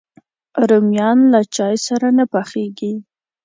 رومیان له چای سره نه پخېږي